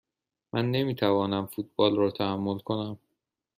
من نمی توانم فوتبال را تحمل کنم.